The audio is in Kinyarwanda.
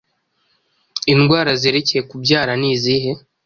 indwara zerekeye kubyara nizihe